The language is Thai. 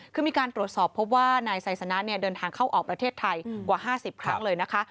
คือมีการตรวจสอบพบว่านายไซสนะเดินทางเข้าออกประเทศไทยกว่า๕๐ครั้งเลยนะคะ